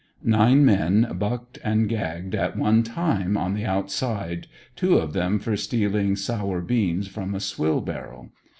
Nine men bucked and gagged at one time on the outside, two of them for stealing sour beans from a swill barrel.